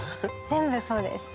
全部そうです。